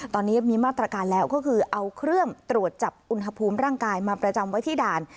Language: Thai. ตอนนี้มีมาตรการแล้วก็คือเอาเครื่องตรวจจับอุณหภูมิร่างกายมาประจำไว้ที่ด่าน